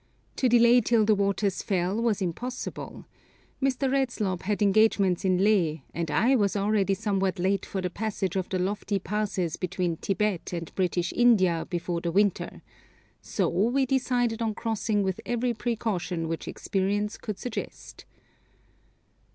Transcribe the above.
To delay till the waters fell was impossible. Mr. Redslob had engagements in Leh, and I was already somewhat late for the passage of the lofty passes between Tibet and British India before the winter, so we decided on crossing with every precaution which experience could suggest.